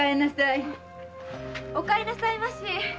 お帰りああなさいまし。